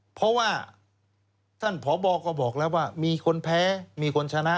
เพราะว่าท่านพบก็บอกแล้วว่ามีคนแพ้มีคนชนะ